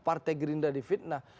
partai gerinda di fitnah